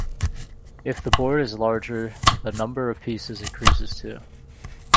If the board is larger the number of pieces increases too.